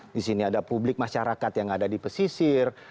di sini ada publik masyarakat yang ada di pesisir